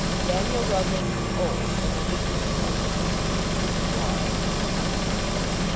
Daniel Ruggles was old, and, under the influence of continued gin and water, was becoming feeble.